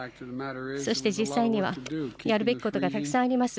そして実際にはやるべきことがたくさんあります。